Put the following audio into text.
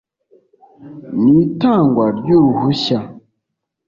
n itangwa ry uruhushya